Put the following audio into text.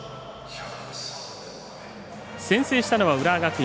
先制したのは浦和学院。